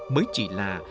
mới chỉ là